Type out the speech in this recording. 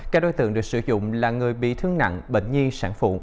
các đối tượng được sử dụng là người bị thương nặng bệnh nhi sản phụ